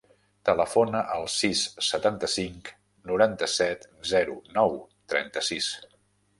Telefona al sis, setanta-cinc, noranta-set, zero, nou, trenta-sis.